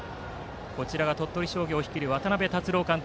鳥取商業を率いるのは渡辺達郎監督。